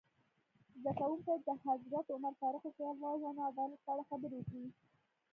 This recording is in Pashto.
زده کوونکي دې د حضرت عمر فاروق رض عدالت په اړه خبرې وکړي.